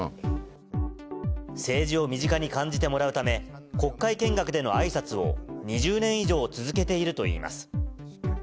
政治を身近に感じてもらうため、国会見学でのあいさつを、２０年以上続けているといいます。